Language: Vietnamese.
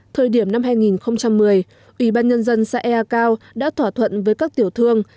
thời điểm năm hai nghìn một mươi ủy ban nhân dân xã ea cao đã thỏa thuận với các tiểu thương